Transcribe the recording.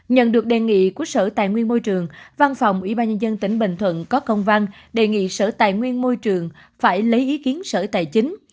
nhận được đề nghị của sở tài nguyên môi trường văn phòng ủy ban nhân dân tỉnh bình thuận có công văn đề nghị sở tài nguyên môi trường phải lấy ý kiến sở tài chính